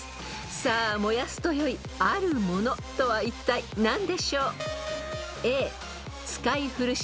［さあ燃やすと良いあるものとはいったい何でしょう］